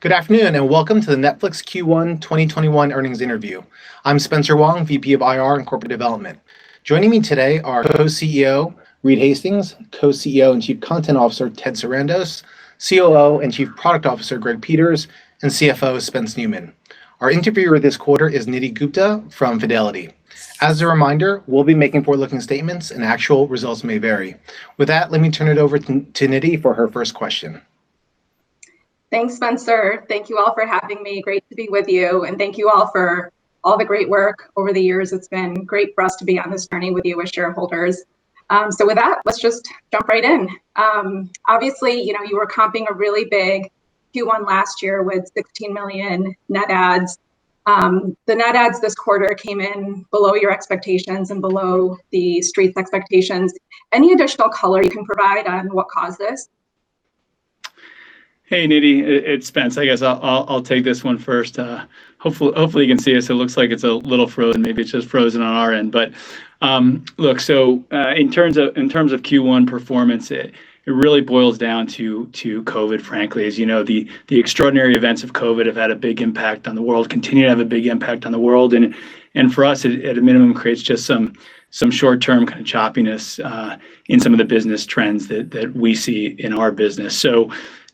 Good afternoon, and welcome to the Netflix Q1 2021 earnings interview. I'm Spencer Wang, VP of IR and Corporate Development. Joining me today are Co-CEO, Reed Hastings; Co-CEO and Chief Content Officer, Ted Sarandos; COO and Chief Product Officer, Greg Peters; and CFO, Spence Neumann. Our interviewer this quarter is Nidhi Gupta from Fidelity. As a reminder, we'll be making forward-looking statements and actual results may vary. With that, let me turn it over to Nidhi for her first question. Thanks, Spencer. Thank you all for having me. Great to be with you, and thank you all for all the great work over the years. It's been great for us to be on this journey with you as shareholders. With that, let's just jump right in. Obviously, you were comping a really big Q1 last year with 16 million net adds. The net adds this quarter came in below your expectations and below The Street's expectations. Any additional color you can provide on what caused this? Hey, Nidhi. It's Spence. I guess I'll take this one first. Hopefully, you can see us. It looks like it's a little frozen. Maybe it's just frozen on our end. Look, so in terms of Q1 performance, it really boils down to COVID, frankly. As you know, the extraordinary events of COVID have had a big impact on the world, continue to have a big impact on the world, and for us, at a minimum, creates just some short-term kind of choppiness in some of the business trends that we see in our business.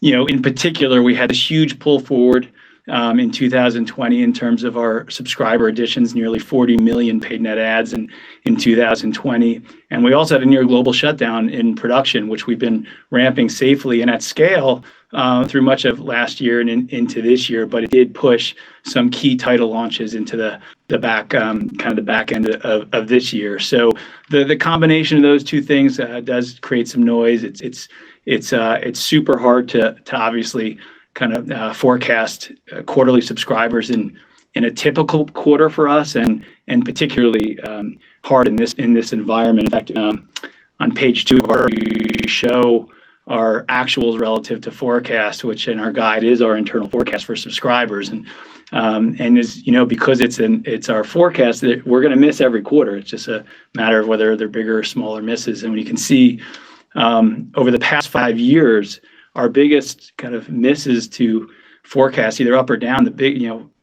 In particular, we had this huge pull forward in 2020 in terms of our subscriber additions, nearly 40 million paid net adds in 2020. We also had a near global shutdown in production, which we've been ramping safely and at scale through much of last year and into this year, but it did push some key title launches into the back end of this year. The combination of those two things does create some noise. It's super hard to obviously forecast quarterly subscribers in a typical quarter for us, and particularly hard in this environment. In fact, on page two of our show, our actuals relative to forecast, which in our guide is our internal forecast for subscribers. Because it's our forecast that we're going to miss every quarter, it's just a matter of whether they're bigger or smaller misses. We can see, over the past five years, our biggest kind of misses to forecast either up or down,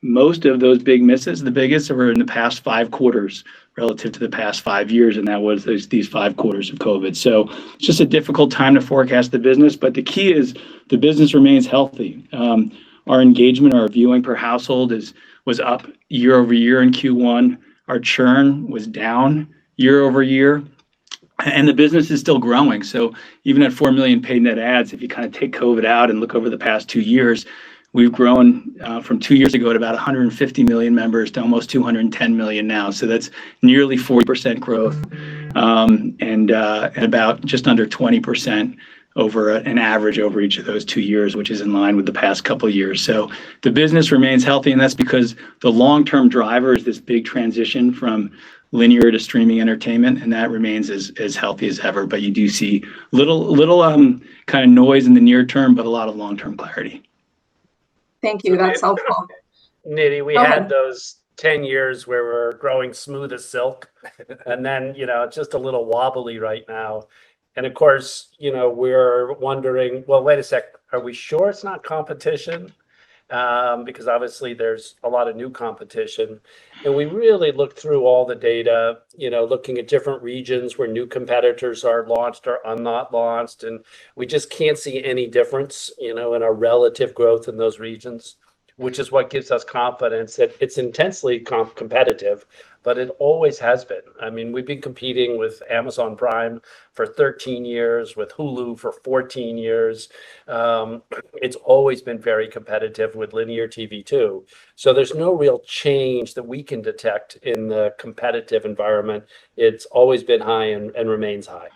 most of those big misses, the biggest were in the past five quarters relative to the past five years, and that was these five quarters of COVID. It's just a difficult time to forecast the business, but the key is the business remains healthy. Our engagement, our viewing per household was up year-over-year in Q1. Our churn was down year-over-year. The business is still growing. Even at 4 million paid net adds, if you take COVID out and look over the past two years, we've grown from two years ago to about 150 million members to almost 210 million now. That's nearly 40% growth and about just under 20% over an average over each of those two years, which is in line with the past couple of years. The business remains healthy, and that's because the long-term driver is this big transition from linear to streaming entertainment, and that remains as healthy as ever. You do see little kind of noise in the near term, but a lot of long-term clarity. Thank you. That's helpful. Nidhi- Go ahead. Those 10 years where we're growing smooth as silk. Then, it's just a little wobbly right now. Of course, we're wondering, "Well, wait a second. Are we sure it's not competition?" Obviously, there's a lot of new competition. We really looked through all the data, looking at different regions where new competitors are launched or are not launched, and we just can't see any difference in our relative growth in those regions, which is what gives us confidence that it's intensely competitive, but it always has been. We've been competing with Amazon Prime for 13 years, with Hulu for 14 years. It's always been very competitive with linear TV, too. There's no real change that we can detect in the competitive environment. It's always been high and remains high.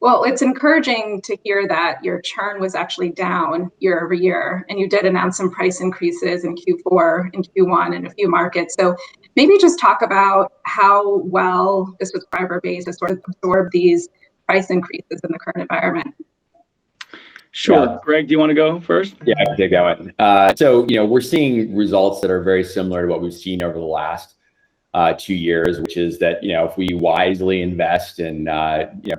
Well, it's encouraging to hear that your churn was actually down year-over-year. You did announce some price increases in Q4 and Q1 in a few markets. Maybe just talk about how well the subscriber base has sort of absorbed these price increases in the current environment. Sure. Greg, do you want to go first? Yeah, I could go. We're seeing results that are very similar to what we've seen over the last two years, which is that if we wisely invest in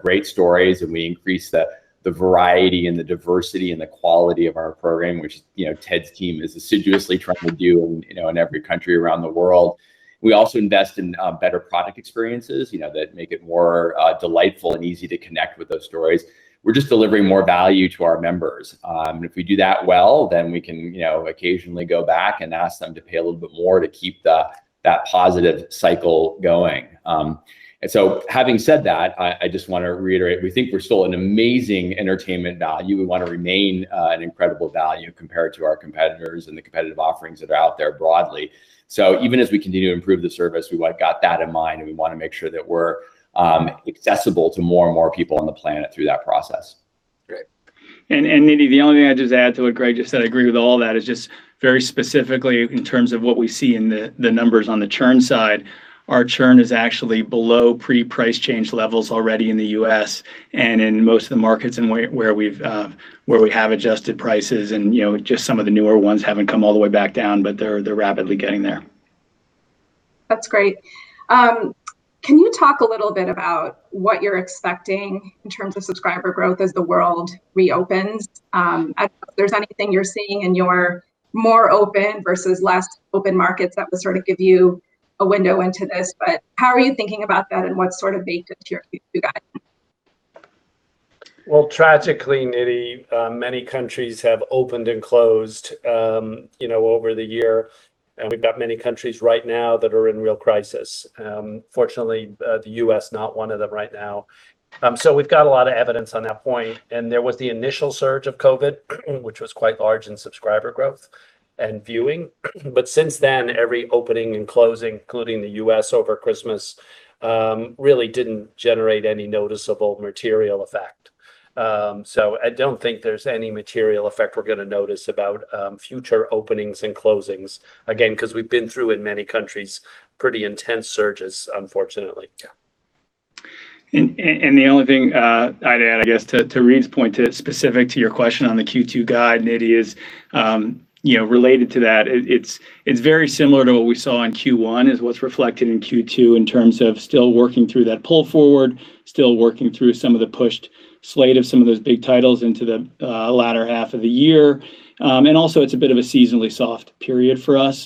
great stories and we increase the variety and the diversity and the quality of our program, which Ted's team is assiduously trying to do in every country around the world. We also invest in better product experiences that make it more delightful and easy to connect with those stories. We're just delivering more value to our members. If we do that well, then we can occasionally go back and ask them to pay a little bit more to keep that positive cycle going. Having said that, I just want to reiterate, we think we're still an amazing entertainment value. We want to remain an incredible value compared to our competitors and the competitive offerings that are out there broadly. Even as we continue to improve the service, we got that in mind, and we want to make sure that we're accessible to more and more people on the planet through that process. Great. Nidhi, the only thing I'd just add to what Greg just said, I agree with all that, is just very specifically in terms of what we see in the numbers on the churn side, our churn is actually below pre-price change levels already in the U.S. and in most of the markets and where we have adjusted prices. Just some of the newer ones haven't come all the way back down, but they're rapidly getting there. That's great. Can you talk a little bit about what you're expecting in terms of subscriber growth as the world reopens? If there's anything you're seeing in your more open versus less open markets that would sort of give you a window into this. How are you thinking about that, and what sort of baked into your Q2 guide? Well, tragically, Nidhi, many countries have opened and closed over the year, and we've got many countries right now that are in real crisis. Fortunately, the U.S. not one of them right now. We've got a lot of evidence on that point. There was the initial surge of COVID, which was quite large in subscriber growth and viewing. Since then, every opening and closing, including the U.S. over Christmas, really didn't generate any noticeable material effect. I don't think there's any material effect we're going to notice about future openings and closings, again, because we've been through, in many countries, pretty intense surges, unfortunately. Yeah. The only thing I'd add, I guess, to Reed's point, specific to your question on the Q2 guide, Nidhi, is related to that. It's very similar to what we saw in Q1 is what's reflected in Q2 in terms of still working through that pull forward, still working through some of the pushed slate of some of those big titles into the latter half of the year. It's a bit of a seasonally soft period for us,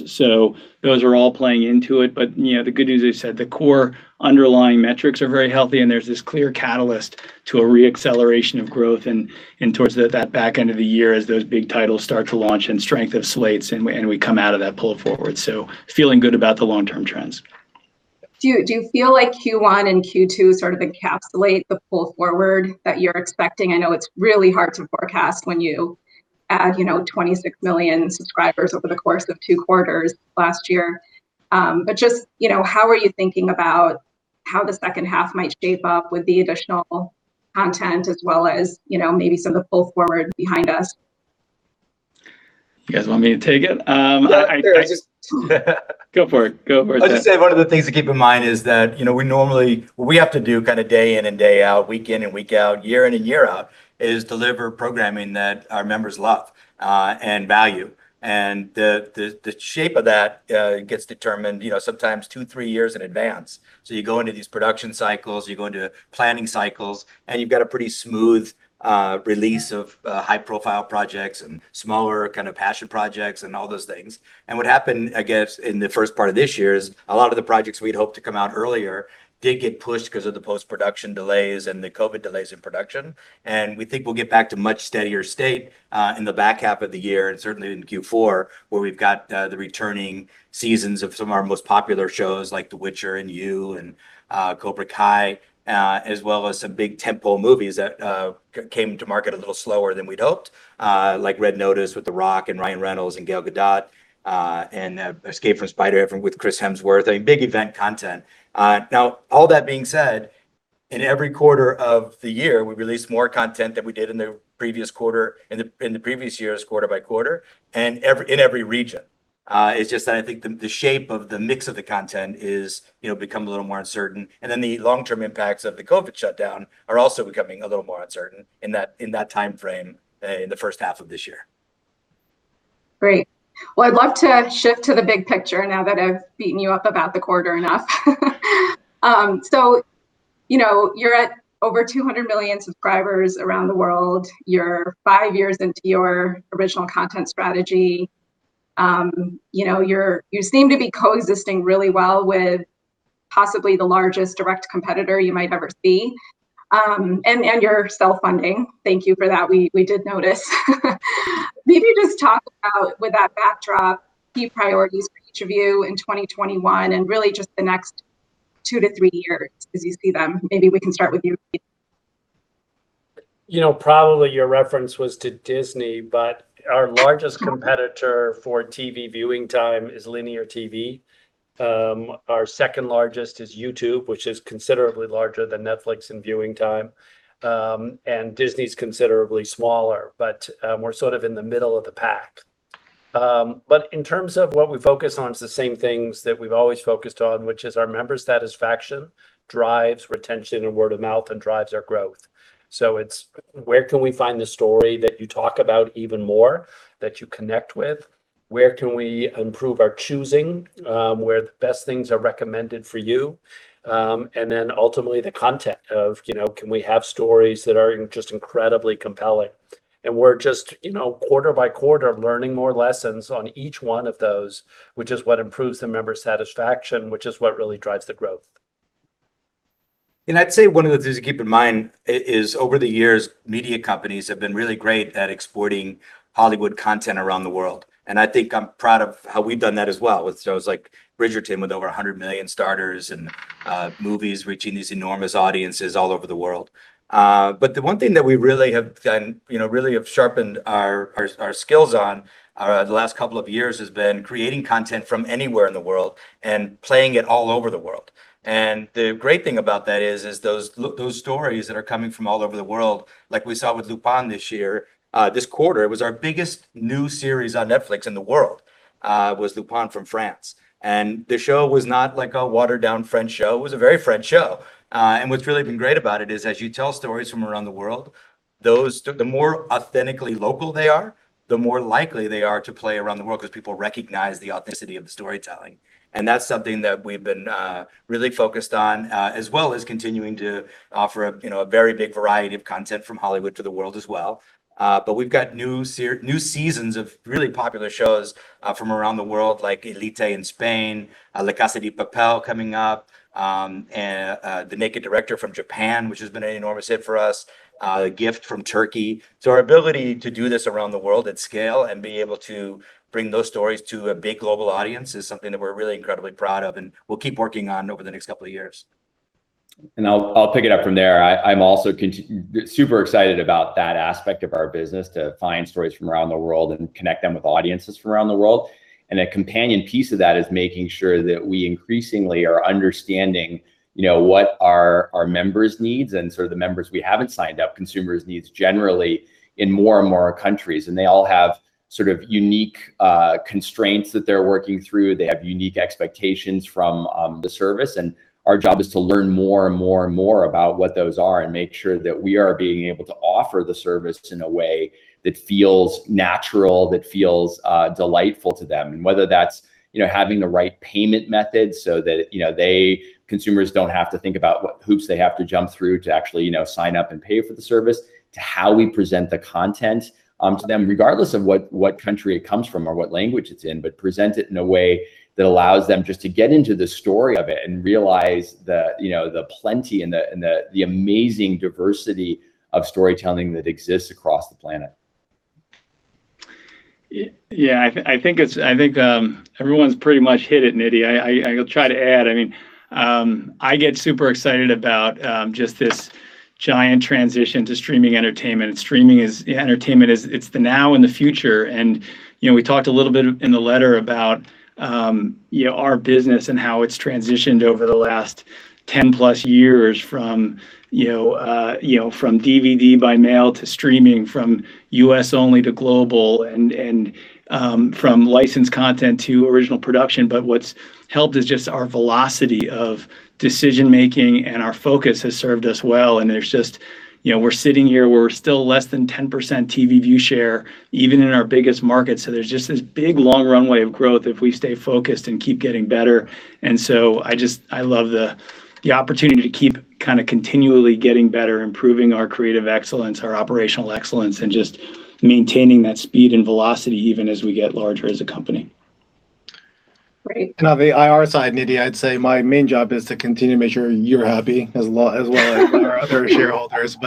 those are all playing into it. The good news is that the core underlying metrics are very healthy, there's this clear catalyst to a re-acceleration of growth towards that back end of the year as those big titles start to launch strength of slates, we come out of that pull forward. Feeling good about the long-term trends. Do you feel like Q1 and Q2 sort of encapsulate the pull forward that you're expecting? I know it's really hard to forecast when you add 26 million subscribers over the course of two quarters last year. How are you thinking about how the second half might shape up with the additional content as well as maybe some of the pull forward behind us? You guys want me to take it? Sure. Go for it. Go for it, Ted. I'd just say one of the things to keep in mind is that what we have to do kind of day in and day out, week in and week out, year in and year out, is deliver programming that our members love and value. The shape of that gets determined sometimes two, three years in advance. You go into these production cycles, you go into planning cycles, and you've got a pretty smooth release of high-profile projects and smaller kind of passion projects and all those things. What happened, I guess, in the first part of this year is a lot of the projects we'd hoped to come out earlier did get pushed because of the post-production delays and the COVID delays in production. We think we'll get back to a much steadier state in the back half of the year, and certainly in Q4, where we've got the returning seasons of some of our most popular shows like "The Witcher" and "You" and "Cobra Kai," as well as some big tent-pole movies that came to market a little slower than we'd hoped, like "Red Notice" with The Rock and Ryan Reynolds and Gal Gadot, and "Escape from Spiderhead" with Chris Hemsworth, big event content. All that being said, in every quarter of the year, we release more content than we did in the previous year's quarter by quarter and in every region. It's just that I think the shape of the mix of the content has become a little more uncertain, and then the long-term impacts of the COVID shutdown are also becoming a little more uncertain in that timeframe in the first half of this year. Great. Well, I'd love to shift to the big picture now that I've beaten you up about the quarter enough. You're at over 200 million subscribers around the world. You're five years into your original content strategy. You seem to be coexisting really well with possibly the largest direct competitor you might ever see. You're self-funding. Thank you for that. We did notice. Maybe just talk about, with that backdrop, key priorities for each of you in 2021, and really just the next two to three years as you see them. Maybe we can start with you, Reed. Probably your reference was to Disney, our largest competitor for TV viewing time is linear TV. Our second-largest is YouTube, which is considerably larger than Netflix in viewing time. Disney's considerably smaller. We're sort of in the middle of the pack. In terms of what we focus on, it's the same things that we've always focused on, which is our member satisfaction drives retention and word of mouth and drives our growth. It's where can we find the story that you talk about even more, that you connect with? Where can we improve our choosing, where the best things are recommended for you? Ultimately the content of can we have stories that are just incredibly compelling? We're just quarter by quarter learning more lessons on each one of those, which is what improves the member satisfaction, which is what really drives the growth. I'd say one of the things to keep in mind is over the years, media companies have been really great at exporting Hollywood content around the world, and I think I'm proud of how we've done that as well with shows like "Bridgerton" with over 100 million starters and movies reaching these enormous audiences all over the world. The one thing that we really have sharpened our skills on the last couple of years has been creating content from anywhere in the world and playing it all over the world. The great thing about that is those stories that are coming from all over the world, like we saw with "Lupin" this year. This quarter, it was our biggest new series on Netflix in the world, was "Lupin" from France. The show was not like a watered-down French show. It was a very French show. What's really been great about it is as you tell stories from around the world. The more authentically local they are, the more likely they are to play around the world because people recognize the authenticity of the storytelling. That's something that we've been really focused on, as well as continuing to offer a very big variety of content from Hollywood to the world as well. We've got new seasons of really popular shows from around the world, like "Elite" in Spain, "La Casa de Papel" coming up, and "The Naked Director" from Japan, which has been an enormous hit for us, "The Gift" from Turkey. Our ability to do this around the world at scale and be able to bring those stories to a big global audience is something that we're really incredibly proud of and will keep working on over the next couple of years. I'll pick it up from there. I'm also super excited about that aspect of our business, to find stories from around the world and connect them with audiences from around the world. A companion piece of that is making sure that we increasingly are understanding what are our members' needs and sort of the members we haven't signed up, consumers' needs generally in more and more countries. They all have sort of unique constraints that they're working through. They have unique expectations from the service, and our job is to learn more and more about what those are and make sure that we are being able to offer the service in a way that feels natural, that feels delightful to them. Whether that's having the right payment method so that consumers don't have to think about what hoops they have to jump through to actually sign up and pay for the service, to how we present the content to them, regardless of what country it comes from or what language it's in, but present it in a way that allows them just to get into the story of it and realize the plenty and the amazing diversity of storytelling that exists across the planet. Yeah. I think everyone's pretty much hit it, Nidhi. I'll try to add, I get super excited about just this giant transition to streaming entertainment. Streaming entertainment is the now and the future. We talked a little bit in the letter about our business and how it's transitioned over the last 10+ years from DVD by mail to streaming, from U.S. only to global, and from licensed content to original production. What's helped is just our velocity of decision making, and our focus has served us well. We're sitting here, we're still less than 10% TV view share, even in our biggest market. There's just this big, long runway of growth if we stay focused and keep getting better. I love the opportunity to keep continually getting better, improving our creative excellence, our operational excellence, and just maintaining that speed and velocity even as we get larger as a company. Great. On the IR side, Nidhi, I'd say my main job is to continue to make sure you're happy as well as our other shareholders.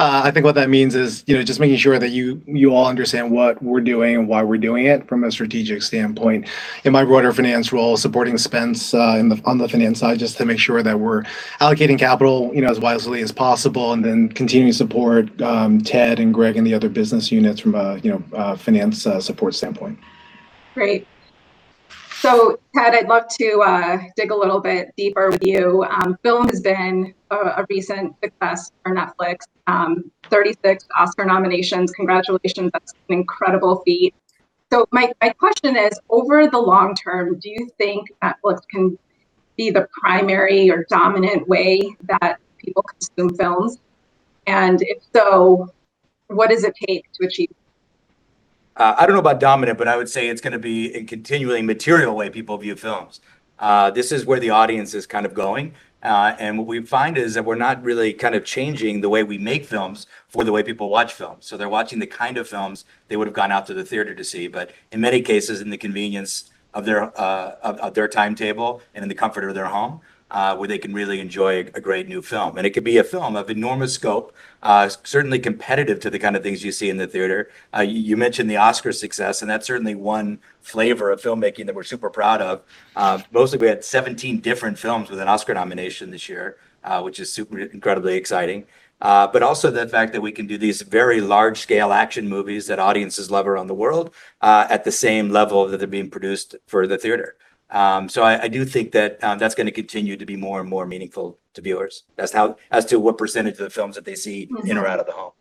I think what that means is just making sure that you all understand what we're doing and why we're doing it from a strategic standpoint. In my broader finance role, supporting Spence on the finance side, just to make sure that we're allocating capital as wisely as possible, and then continuing to support Ted and Greg and the other business units from a finance support standpoint. Great. Ted, I'd love to dig a little bit deeper with you. Film has been a recent success for Netflix. 36 Oscar nominations. Congratulations. That's an incredible feat. My question is, over the long term, do you think Netflix can be the primary or dominant way that people consume films? If so, what does it take to achieve that? I don't know about dominant, but I would say it's going to be a continually material way people view films. This is where the audience is kind of going. What we find is that we're not really kind of changing the way we make films for the way people watch films. They're watching the kind of films they would've gone out to the theater to see, but in many cases, in the convenience of their timetable and in the comfort of their home, where they can really enjoy a great new film. It could be a film of enormous scope, certainly competitive to the kind of things you see in the theater. You mentioned the Oscar success, and that's certainly one flavor of filmmaking that we're super proud of. Mostly we had 17 different films with an Oscar nomination this year, which is super incredibly exciting. Also the fact that we can do these very large-scale action movies that audiences love around the world, at the same level that they're being produced for the theater. I do think that's going to continue to be more and more meaningful to viewers as to what percentage of the films that they see in or out of the home.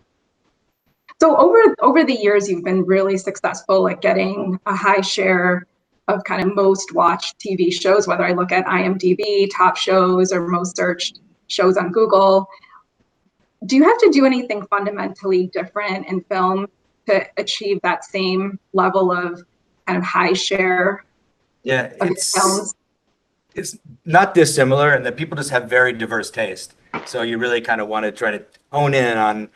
Over the years, you've been really successful at getting a high share of kind of most-watched TV shows, whether I look at IMDb, top shows, or most searched shows on Google. Do you have to do anything fundamentally different in film to achieve that same level of kind of high share of films? It's not dissimilar in that people just have very diverse taste. You really kind of want to try to hone in on,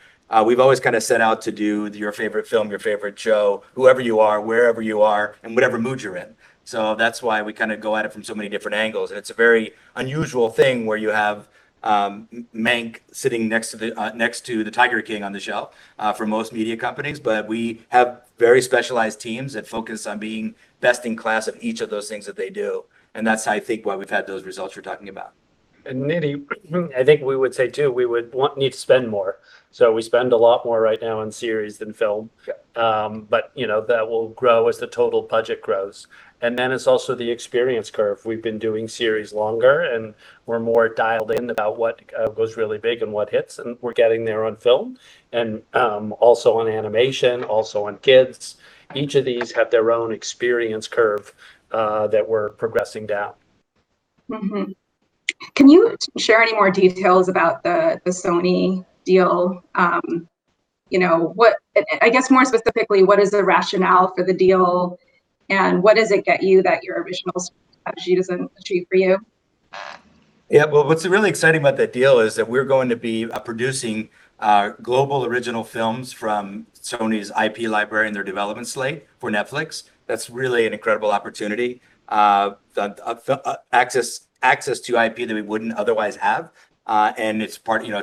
we've always kind of set out to do your favorite film, your favorite show, whoever you are, wherever you are, and whatever mood you're in. That's why we kind of go at it from so many different angles, it's a very unusual thing where you have Mank sitting next to the Tiger King on the shelf for most media companies. We have very specialized teams that focus on being best in class at each of those things that they do, and that's, I think, why we've had those results you're talking about. Nidhi, I think we would say, too, we would need to spend more. We spend a lot more right now on series than film. Yeah. That will grow as the total budget grows. It's also the experience curve. We've been doing series longer, and we're more dialed in about what goes really big and what hits, and we're getting there on film, also on animation, also on kids. Each of these have their own experience curve that we're progressing down. Can you share any more details about the Sony deal? I guess more specifically, what is the rationale for the deal, and what does it get you that your original strategy doesn't achieve for you? Yeah. Well, what's really exciting about that deal is that we're going to be producing global original films from Sony’s IP library and their development slate for Netflix. That's really an incredible opportunity. Access to IP that we wouldn't otherwise have, and it's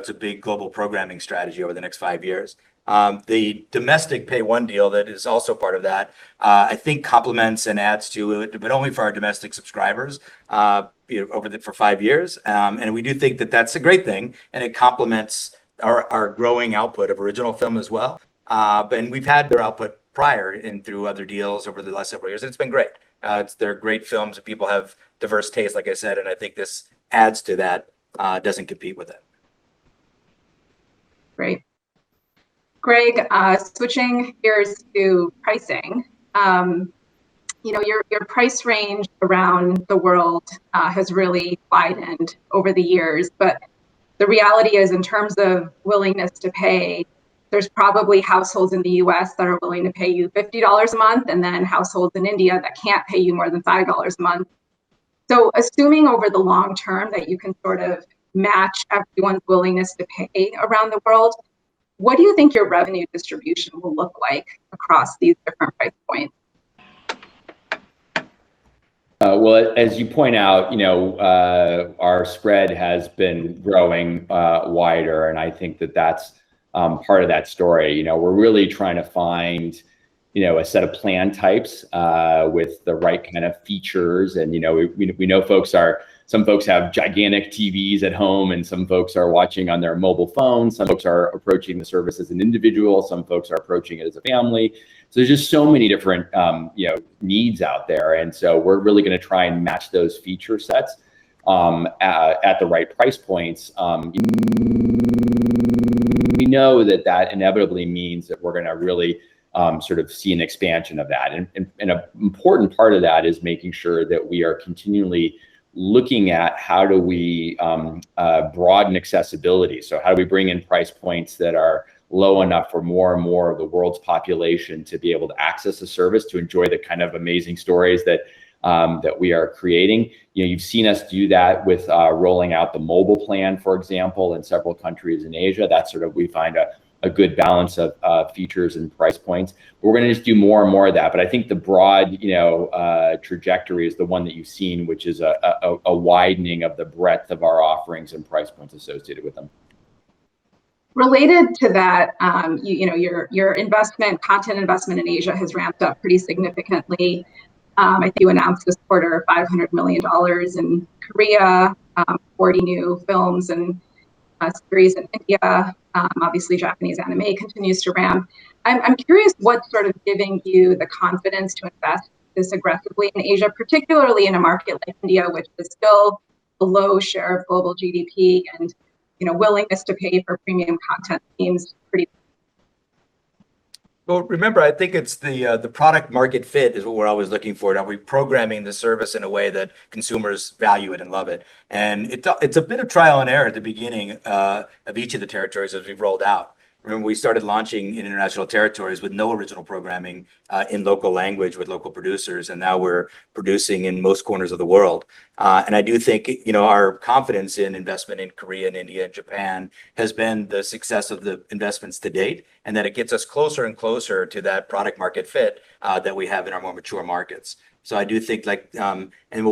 a big global programming strategy over the next five years. The domestic Pay 1 deal that is also part of that, I think complements and adds to it, but only for our domestic subscribers for five years. We do think that that's a great thing, and it complements our growing output of original film as well. We've had their output prior and through other deals over the last several years, and it's been great. They're great films, and people have diverse taste, like I said, and I think this adds to that, doesn't compete with it. Great. Greg, switching gears to pricing. Your price range around the world has really widened over the years, the reality is in terms of willingness to pay, there's probably households in the U.S. that are willing to pay you $50 a month, and then households in India that can't pay you more than $5 a month. Assuming over the long term that you can sort of match everyone's willingness to pay around the world, what do you think your revenue distribution will look like across these different price points? Well, as you point out, our spread has been growing wider. I think that that's part of that story. We're really trying to find a set of plan types with the right kind of features. We know some folks have gigantic TVs at home, and some folks are watching on their mobile phones. Some folks are approaching the service as an individual. Some folks are approaching it as a family. There's just so many different needs out there. We're really going to try and match those feature sets at the right price points. We know that that inevitably means that we're going to really see an expansion of that. An important part of that is making sure that we are continually looking at how do we broaden accessibility. How do we bring in price points that are low enough for more and more of the world's population to be able to access the service to enjoy the kind of amazing stories that we are creating. You've seen us do that with rolling out the mobile plan, for example, in several countries in Asia. That's sort of we find a good balance of features and price points. We're going to just do more and more of that. I think the broad trajectory is the one that you've seen, which is a widening of the breadth of our offerings and price points associated with them. Related to that, your content investment in Asia has ramped up pretty significantly. I think you announced this quarter $500 million in Korea, 40 new films and series in India. Obviously, Japanese anime continues to ramp. I'm curious what's sort of giving you the confidence to invest this aggressively in Asia, particularly in a market like India, which is still below share of global GDP, and willingness to pay for premium content seems pretty low. Well, remember, I think it's the product market fit is what we're always looking for, and are we programming the service in a way that consumers value it and love it. It's a bit of trial and error at the beginning of each of the territories as we've rolled out. Remember, we started launching in international territories with no original programming in local language with local producers, and now we're producing in most corners of the world. I do think our confidence in investment in Korea and India and Japan has been the success of the investments to date, and that it gets us closer and closer to that product market fit that we have in our more mature markets. What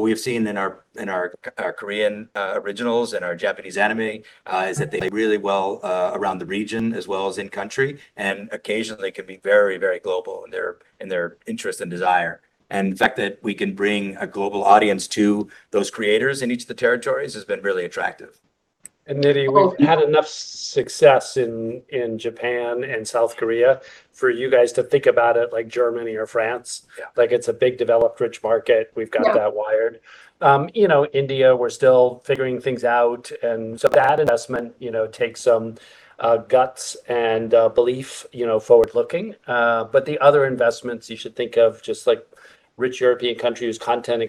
we've seen in our Korean originals and our Japanese anime is that they play really well around the region as well as in country, and occasionally can be very global in their interest and desire. The fact that we can bring a global audience to those creators in each of the territories has been really attractive. Nidhi, we've had enough success in Japan and South Korea for you guys to think about it like Germany or France. Yeah. Like it's a big, developed, rich market. Yeah That wired. India, we're still figuring things out. That investment takes some guts and belief forward-looking. The other investments you should think of just like rich European countries content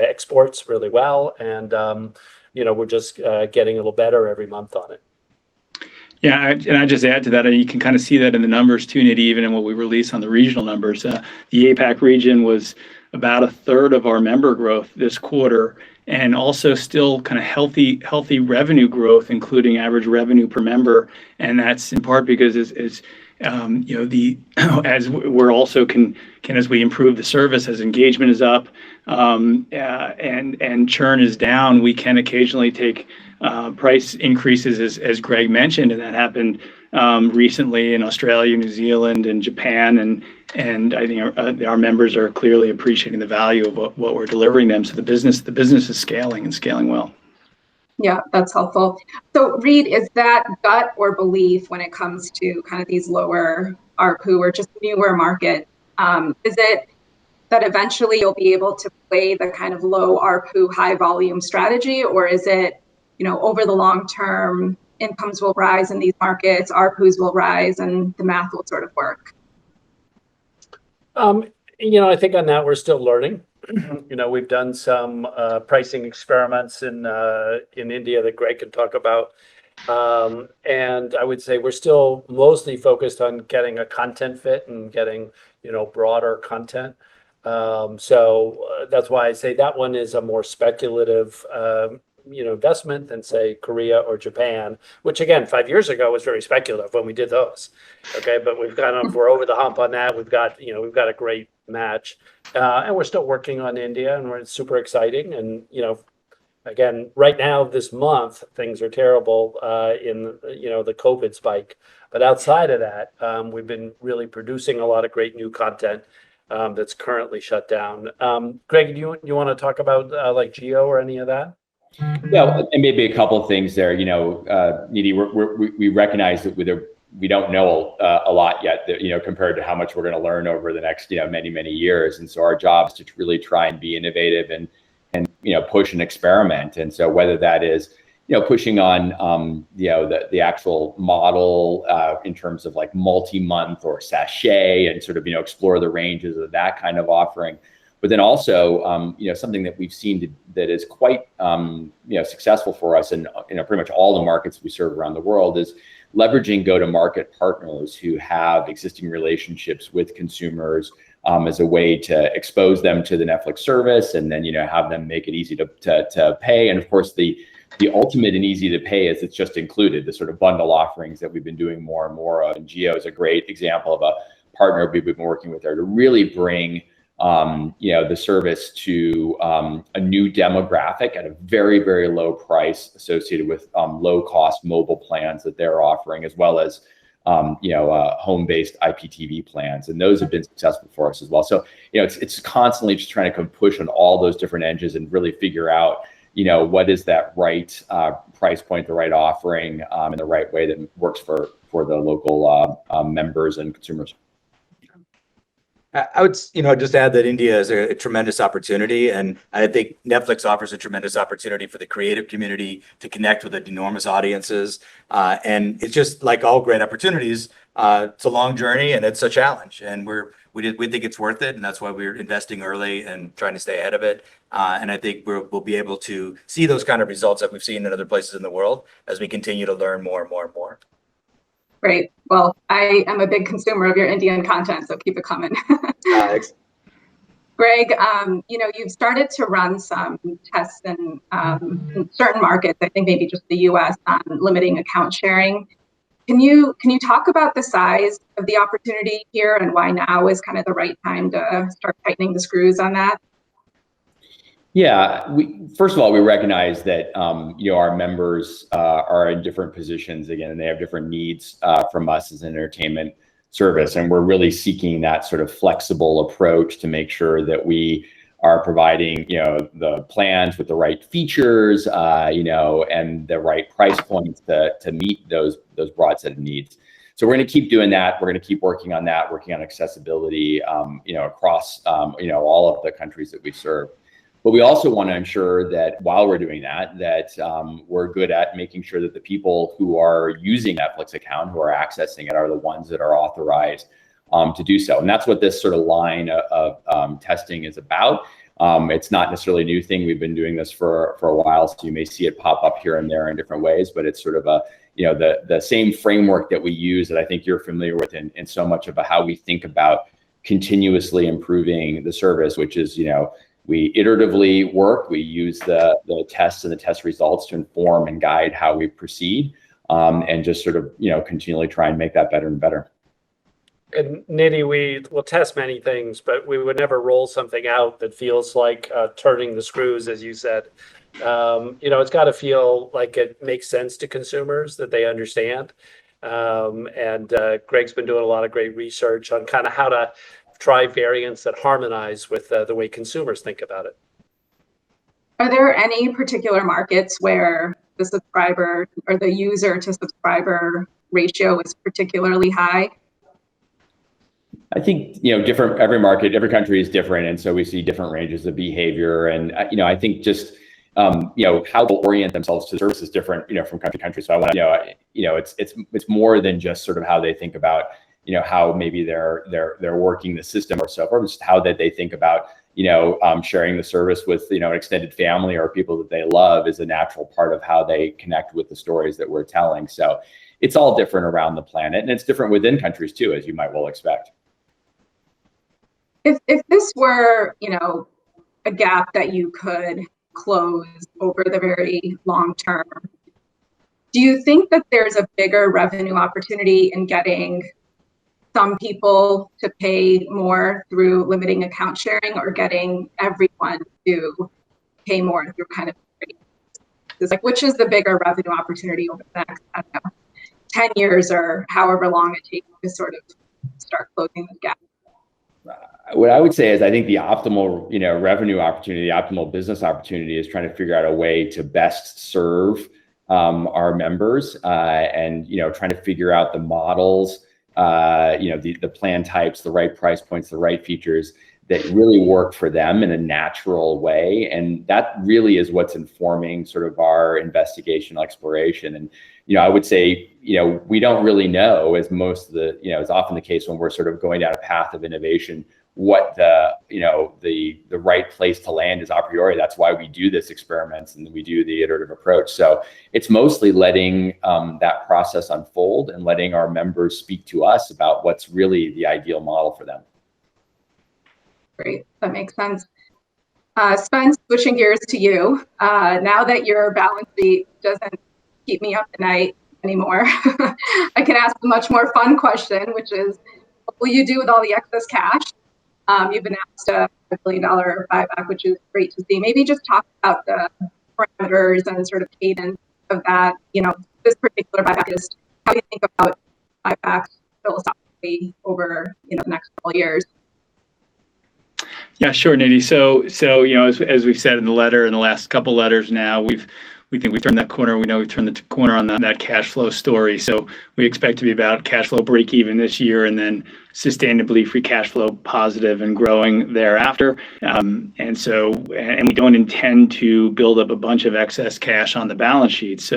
exports really well, and we're just getting a little better every month on it. I'd just add to that, and you can kind of see that in the numbers too, Nidhi, even in what we released on the regional numbers. The APAC region was about a third of our member growth this quarter, and also still kind of healthy revenue growth, including average revenue per member, and that's in part because as we improve the service, as engagement is up, and churn is down, we can occasionally take price increases as Greg mentioned, and that happened recently in Australia, New Zealand, and Japan, and I think our members are clearly appreciating the value of what we're delivering them. The business is scaling and scaling well. Yeah. That's helpful. Reed, is that gut or belief when it comes to kind of these lower ARPU or just newer market, is it that eventually you'll be able to play the kind of low ARPU, high volume strategy, or is it over the long term, incomes will rise in these markets, ARPUs will rise, and the math will sort of work? I think on that we're still learning. We've done some pricing experiments in India that Greg can talk about. I would say we're still mostly focused on getting a content fit and getting broader content. That's why I say that one is a more speculative investment than, say, Korea or Japan, which again, five years ago, was very speculative when we did those. Okay? We've gotten over the hump on that. We've got a great match, and we're still working on India, and it's super exciting. Again, right now, this month, things are terrible in the COVID spike. Outside of that, we've been really producing a lot of great new content that's currently shut down. Greg, do you want to talk about Jio or any of that? Yeah. Maybe a couple of things there. Nidhi, we recognize that we don't know a lot yet, compared to how much we're going to learn over the next many years. Our job is to really try and be innovative and push and experiment. Whether that is pushing on the actual model in terms of multi-month or sachet and sort of explore the ranges of that kind of offering. Also, something that we've seen that is quite successful for us in pretty much all the markets we serve around the world is leveraging go-to-market partners who have existing relationships with consumers as a way to expose them to the Netflix service, and then have them make it easy to pay. And of course, the ultimate in easy to pay is it's just included, the sort of bundle offerings that we've been doing more and more. Jio is a great example of a partner we've been working with there to really bring the service to a new demographic at a very low price associated with low-cost mobile plans that they're offering, as well as home-based IPTV plans. Those have been successful for us as well. It's constantly just trying to push on all those different edges and really figure out what is that right price point, the right offering, and the right way that works for the local members and consumers. I would just add that India is a tremendous opportunity. I think Netflix offers a tremendous opportunity for the creative community to connect with enormous audiences. It's just like all great opportunities, it's a long journey, and it's a challenge. We think it's worth it, and that's why we're investing early and trying to stay ahead of it. I think we'll be able to see those kind of results that we've seen in other places in the world as we continue to learn more and more. Great. Well, I am a big consumer of your Indian content, so keep it coming. Thanks. Greg, you've started to run some tests in certain markets, I think maybe just the U.S., on limiting account sharing. Can you talk about the size of the opportunity here and why now is kind of the right time to start tightening the screws on that? Yeah. First of all, we recognize that our members are in different positions, again, and they have different needs from us as an entertainment service, and we're really seeking that sort of flexible approach to make sure that we are providing the plans with the right features and the right price points to meet those broad set of needs. We're going to keep doing that. We're going to keep working on that, working on accessibility across all of the countries that we serve. We also want to ensure that while we're doing that we're good at making sure that the people who are using the Netflix account, who are accessing it, are the ones that are authorized to do so. That's what this sort of line of testing is about. It's not necessarily a new thing. We've been doing this for a while, so you may see it pop up here and there in different ways, but it's sort of the same framework that we use that I think you're familiar with, in so much about how we think about continuously improving the service, which is we iteratively work. We use the tests and the test results to inform and guide how we proceed, and just sort of continually try and make that better and better. Nidhi, we will test many things, but we would never roll something out that feels like turning the screws, as you said. It's got to feel like it makes sense to consumers, that they understand. Greg's been doing a lot of great research on how to try variants that harmonize with the way consumers think about it. Are there any particular markets where the subscriber or the user-to-subscriber ratio is particularly high? I think every market, every country is different, and so we see different ranges of behavior and I think just how they'll orient themselves to the service is different from country to country. It's more than just sort of how they think about how maybe they're working the system or so forth. It's how that they think about sharing the service with extended family or people that they love is a natural part of how they connect with the stories that we're telling. It's all different around the planet, and it's different within countries too, as you might well expect. If this were a gap that you could close over the very long term, do you think that there's a bigger revenue opportunity in getting some people to pay more through limiting account sharing or getting everyone to pay more through kind of which is the bigger revenue opportunity over the next, I don't know, 10 years or however long it takes to sort of start closing the gap? What I would say is, I think the optimal revenue opportunity, the optimal business opportunity, is trying to figure out a way to best serve our members, and trying to figure out the models, the plan types, the right price points, the right features that really work for them in a natural way, and that really is what's informing our investigation exploration. I would say we don't really know, as often the case when we're sort of going down a path of innovation, what the right place to land is a priori. That's why we do these experiments, and we do the iterative approach. It's mostly letting that process unfold and letting our members speak to us about what's really the ideal model for them. Great. That makes sense. Spence, switching gears to you. Now that your balance sheet doesn't keep me up at night anymore I can ask a much more fun question, which is, what will you do with all the excess cash? You've been asked a billion-dollar buyback, which is great to see. Maybe just talk about the parameters and the sort of cadence of that, this particular buyback, just how do you think about buybacks philosophically over the next couple of years? Sure, Nidhi. As we've said in the letter, in the last couple of letters now, we think we've turned that corner. We know we've turned the corner on that cash flow story. We expect to be about cash flow breakeven this year, and then sustainably free cash flow positive and growing thereafter. We don't intend to build up a bunch of excess cash on the balance sheet.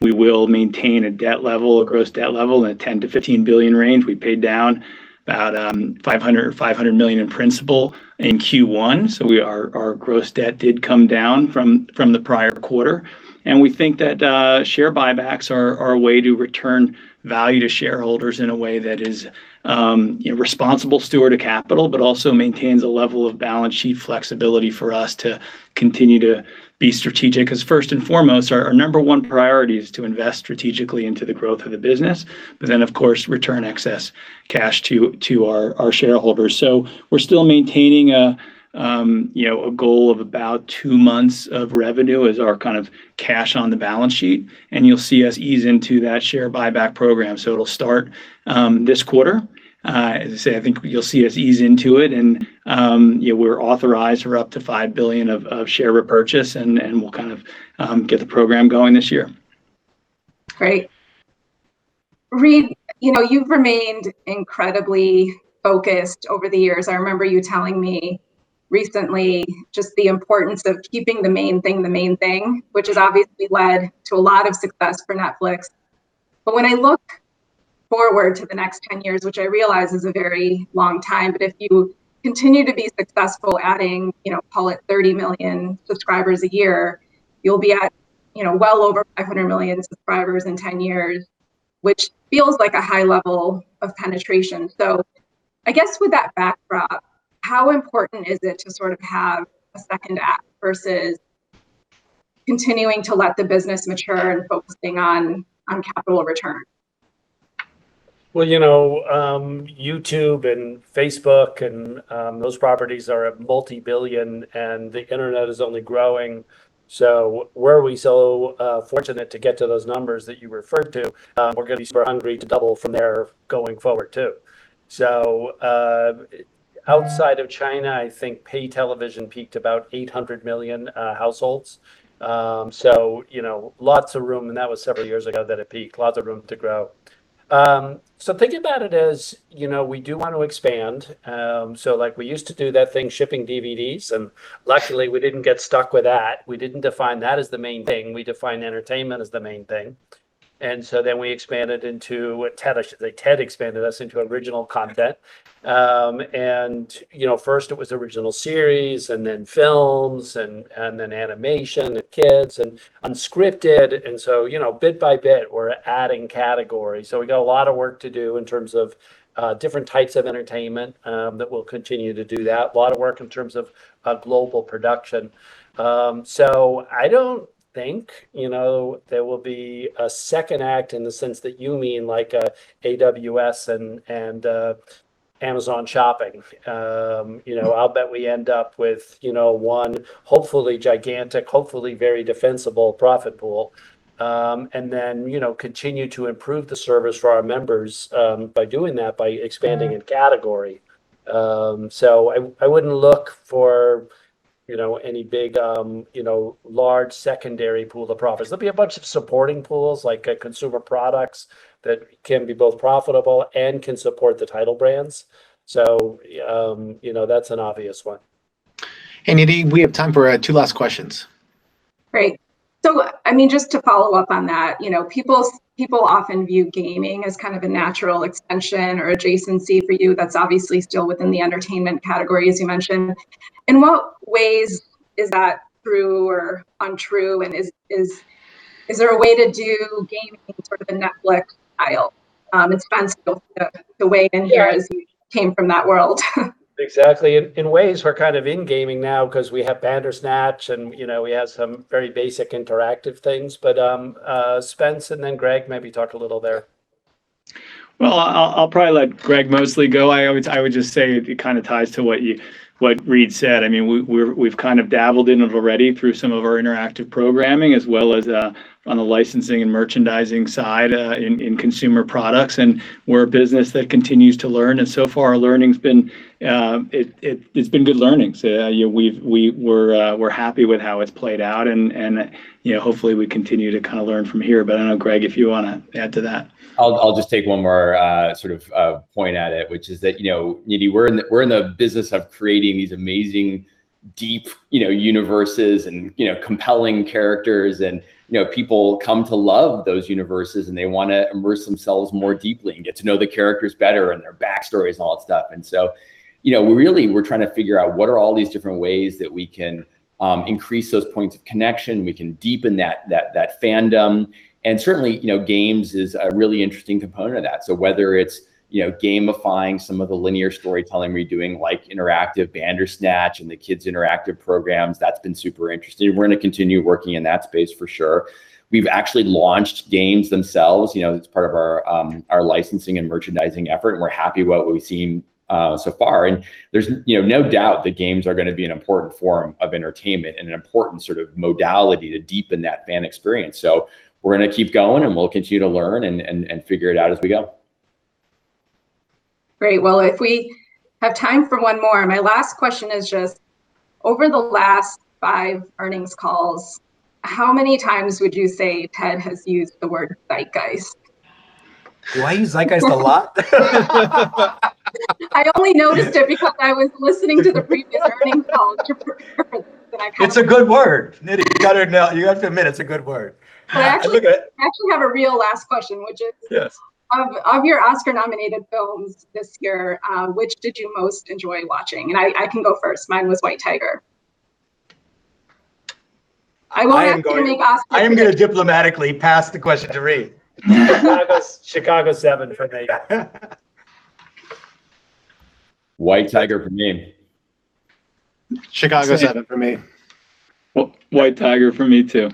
We will maintain a gross debt level in the $10 billion-$15 billion range. We paid down about $500 million in principal in Q1, our gross debt did come down from the prior quarter. We think that share buybacks are a way to return value to shareholders in a way that is responsible steward of capital, but also maintains a level of balance sheet flexibility for us to continue to be strategic. First and foremost, our number one priority is to invest strategically into the growth of the business, but then, of course, return excess cash to our shareholders. We're still maintaining a goal of about two months of revenue as our kind of cash on the balance sheet, and you'll see us ease into that share buyback program. It'll start this quarter. As I say, I think you'll see us ease into it. We're authorized for up to $5 billion of share repurchase, and we'll kind of get the program going this year. Great. Reed, you've remained incredibly focused over the years. I remember you telling me recently just the importance of keeping the main thing the main thing, which has obviously led to a lot of success for Netflix. When I look forward to the next 10 years, which I realize is a very long time, but if you continue to be successful adding, call it 30 million subscribers a year, you'll be at well over 500 million subscribers in 10 years, which feels like a high level of penetration. I guess with that backdrop, how important is it to sort of have a second act versus continuing to let the business mature and focusing on capital return? Well, YouTube and Facebook and those properties are at multi-billion, and the Internet is only growing. Were we so fortunate to get to those numbers that you referred to, we're going to be super hungry to double from there going forward, too. Outside of China, I think pay television peaked about 800 million households. Lots of room, and that was several years ago that it peaked, lots of room to grow. Think about it as we do want to expand. Like we used to do that thing, shipping DVDs, luckily we didn't get stuck with that. We didn't define that as the main thing. We defined entertainment as the main thing. Then we expanded into what Ted expanded us into original content. First it was original series, then films, then animation, the kids, and unscripted. Bit by bit, we're adding categories. We got a lot of work to do in terms of different types of entertainment that we'll continue to do that. A lot of work in terms of global production. I don't think there will be a second act in the sense that you mean like a AWS and Amazon shopping. I'll bet we end up with one hopefully gigantic, hopefully very defensible profit pool. Continue to improve the service for our members by doing that, by expanding in category. I wouldn't look for any big large secondary pool of profits. There'll be a bunch of supporting pools, like consumer products, that can be both profitable and can support the title brands. That's an obvious one. Hey, Nidhi, we have time for two last questions. Great. Just to follow up on that, people often view gaming as kind of a natural extension or adjacency for you. That's obviously still within the entertainment category, as you mentioned. In what ways is that true or untrue, and is there a way to do gaming in sort of the Netflix aisle? Spence can hopefully weigh in here as you came from that world. Exactly. In ways we're kind of in gaming now because we have Bandersnatch and we have some very basic interactive things. Spence and then Greg maybe talk a little there. Well, I'll probably let Greg mostly go. I would just say it kind of ties to what Reed said. We've kind of dabbled in it already through some of our interactive programming as well as on the licensing and merchandising side in consumer products. We're a business that continues to learn, and so far our learning it's been good learning. We're happy with how it's played out, and hopefully we continue to kind of learn from here. I don't know, Greg, if you want to add to that. I'll just take one more sort of point at it, which is that Nidhi, we're in the business of creating these amazing deep universes and compelling characters. People come to love those universes, and they want to immerse themselves more deeply and get to know the characters better and their backstories and all that stuff. Really, we're trying to figure out what are all these different ways that we can increase those points of connection, we can deepen that fandom, and certainly, games is a really interesting component of that. Whether it's gamifying some of the linear storytelling we're doing, like interactive Bandersnatch and the kids interactive programs, that's been super interesting. We're going to continue working in that space for sure. We've actually launched games themselves. It's part of our licensing and merchandising effort, and we're happy with what we've seen so far. There's no doubt that games are going to be an important form of entertainment and an important modality to deepen that fan experience. We're going to keep going, and we'll continue to learn and figure it out as we go. Great. Well, if we have time for one more, my last question is just over the last five earnings calls, how many times would you say Ted has used the word zeitgeist? Do I use zeitgeist a lot? I only noticed it because I was listening to the previous earnings calls preparing for this, and I counted. It's a good word. Nidhi, you have to admit it's a good word. Well, I actually- I like it. I actually have a real last question. Yes of your Oscar-nominated films this year, which did you most enjoy watching? I can go first. Mine was "White Tiger." I won't ask you to make Oscar predictions. I am going to diplomatically pass the question to Reed. Chicago 7 for me. White Tiger" for me. Chicago 7 for me. White Tiger for me, too.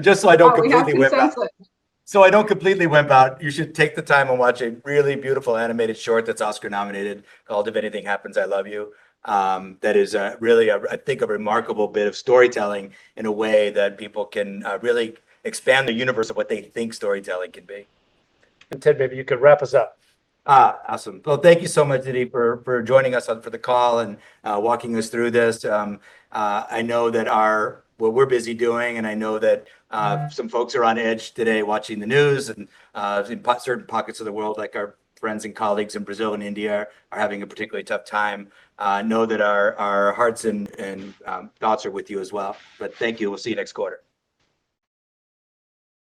Just so I don't completely wimp out. Oh, we have consensus. I don't completely wimp out, you should take the time and watch a really beautiful animated short that's Oscar-nominated called "If Anything Happens, I Love You." That is really, I think, a remarkable bit of storytelling in a way that people can really expand their universe of what they think storytelling can be. Ted, maybe you could wrap us up. Awesome. Thank you so much, Nidhi, for joining us on for the call and walking us through this. I know what we're busy doing, and I know that some folks are on edge today watching the news, and in certain pockets of the world, like our friends and colleagues in Brazil and India, are having a particularly tough time. Know that our hearts and thoughts are with you as well. Thank you. We'll see you next quarter.